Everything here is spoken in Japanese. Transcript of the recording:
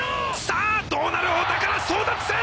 さあどうなるお宝争奪戦！